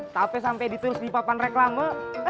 tapi sampai ditulis di papan reklama